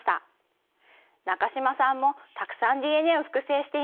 中島さんもたくさんＤＮＡを複製していましたね。